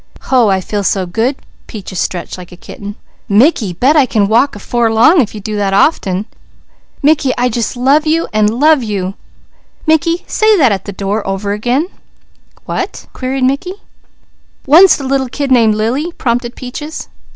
"Hoh I feel so good!" Peaches stretched like a kitten. "Mickey, bet I can walk 'fore long if you do that often! Mickey, I just love you, an' love you. Mickey, say that at the door over again." "What?" queried Mickey. "'One't a little kid named Lily,'" prompted Peaches.